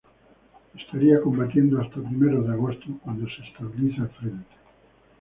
Estaría combatiendo hasta primeros de agosto, cuando se estabiliza el frente.